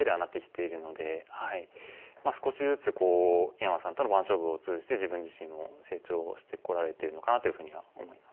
少しずつ井山さんとの番勝負を通じて自分自身も成長してこられてるのかなというふうには思います。